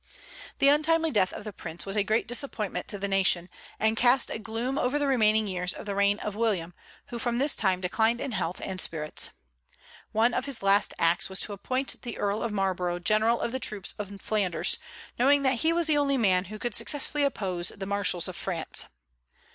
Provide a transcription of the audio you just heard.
The untimely death of the Prince was a great disappointment to the nation, and cast a gloom over the remaining years of the reign of William, who from this time declined in health and spirits. One of his last acts was to appoint the Earl of Marlborough general of the troops in Flanders, knowing that he was the only man who could successfully oppose the marshals of France.